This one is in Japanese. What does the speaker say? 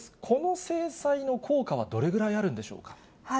この制裁の効果はどれぐらいあるんでしょうか？